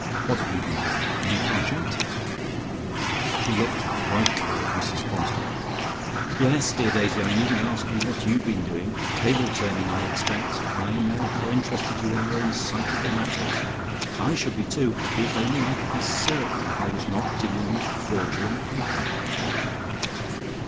What have you been doing? Any planchette?" She looked brightly at Mrs Quantock. "Yes, dear Daisy, I needn't ask you what you've been doing. Table turning, I expect. I know how interested you are in psychical matters. I should be, too, if only I could be certain that I was not dealing with fraudulent people."